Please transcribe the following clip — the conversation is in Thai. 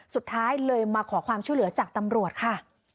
สุดท้ายเลยมาขอความช่วยเหลือจากตำรวจค่ะ